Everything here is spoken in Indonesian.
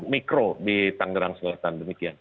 mikro di tanggerang selatan demikian